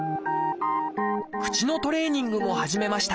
口のトレーニングも始めました